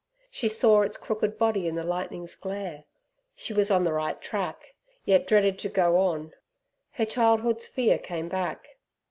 She saw its crooked body in the lightning's glare. She was on the right track, yet dreaded to go on. Her childhood's fear came back.